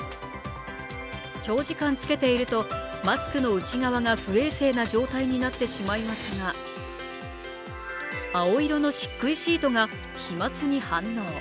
長時間着けているとマスクの内側が不衛生な状態になってしまいますが、青色のしっくいシートが飛まつに反応。